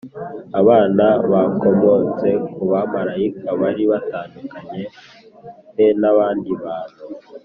Abana bakomotse ku bamarayika bari batandukaniye he n abandi bantu